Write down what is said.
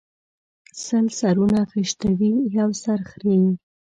سل سرونه خشتوي ، يو سر خريي